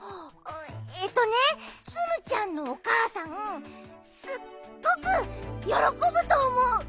えっとねツムちゃんのおかあさんすっごくよろこぶとおもう！